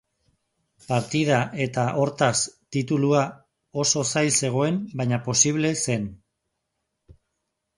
Partida eta hortaz, titulua, oso zail zegoen baina posible zen.